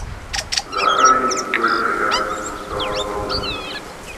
Základní výzbroj fregat zůstala shodná.